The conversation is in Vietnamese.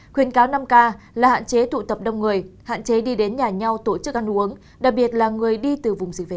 khuyến cáo năm k là hạn chế tụ tập đông người hạn chế đi đến nhà nhau tổ chức ăn uống đặc biệt là người đi từ vùng dịch về